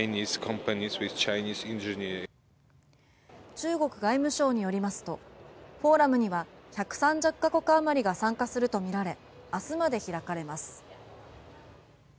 中国外務省によりますとフォーラムには１３０カ国余りが参加するとみられ明日まで開かれます。